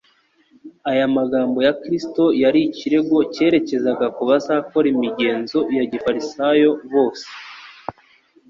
Aya magambo ya Kristo yari ikirego cyerekezaga ku bazakora imigenzo ya gifarisayo bose.